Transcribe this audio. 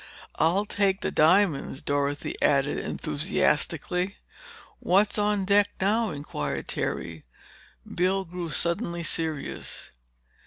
"I'll take the diamonds," Dorothy added enthusiastically. "What's on deck now?" inquired Terry. Bill grew suddenly serious.